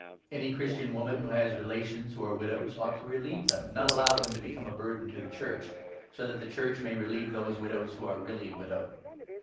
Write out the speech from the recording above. Any 16 Christian woman, who has relations who are widows, ought to relieve them and not allow them to become a burden to the Church, so that the Church may relieve those widows who are really widowed.